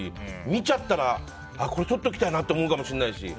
見ちゃったらこれ、とっておきたいなって思うかもしれないし。